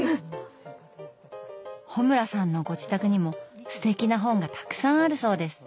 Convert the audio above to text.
穂村さんのご自宅にもすてきな本がたくさんあるそうです。